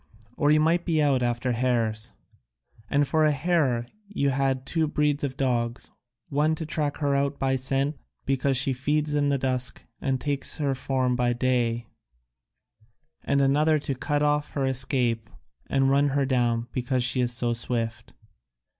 Or you might be out after hares, and for a hare you had two breeds of dogs, one to track her out by scent, because she feeds in the dusk and takes to her form by day, and another to cut off her escape and run her down, because she is so swift.